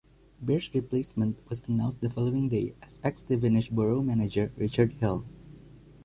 Baird's replacement was announced the following day as ex-Stevenage Borough manager Richard Hill.